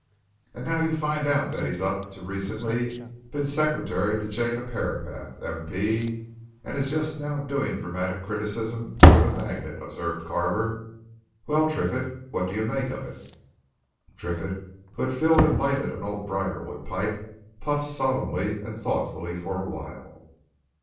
"And now you find out that he's up till recently been secretary to Jacob Herapath, M.P., and is just now doing dramatic criticism for the Magnet," observed Carver. "Well, Triffitt, what do you make of it?" Triffitt, who had filled and lighted an old briarwood pipe, puffed solemnly and thoughtfully for a while.